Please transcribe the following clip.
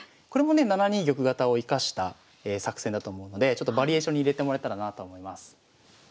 これもね７二玉型を生かした作戦だと思うのでバリエーションに入れてもらえたらなと思います。